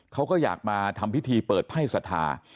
เขาก็อยากมาทำพิธีเปิดไพ่ศรัทธา